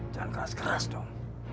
jangan keras keras dong